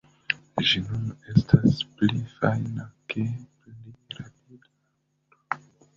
Ĝi nun estas pli fajna kaj pli rapida hundo.